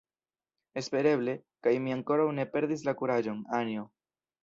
Espereble; kaj mi ankoraŭ ne perdis la kuraĝon, Anjo.